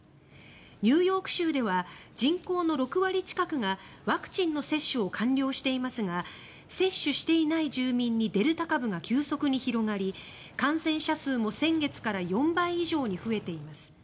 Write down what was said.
ニューヨーク州では人口の６割近くがワクチンの接種を完了していますが接種していない住民にデルタ株が急速に広がり感染者数も先月から４倍以上に増えています。